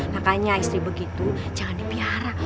makanya istri begitu jangan dipihara